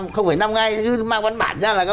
không phải năm ngay